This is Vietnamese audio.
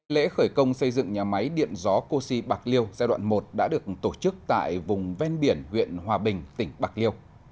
lễ khởi công xây dựng nhà máy điện gió cô si bạc liêu giai đoạn một đã được tổ chức tại vùng ven biển huyện hòa bình tỉnh bạc liêu